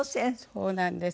そうなんです。